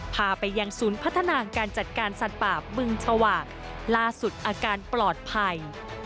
พาไปยังศูนย์พัฒนาการจัดการสัตว์ป่าบึงชวาล่าสุดอาการปลอดภัย